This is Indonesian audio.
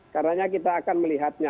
karena kita akan melihatnya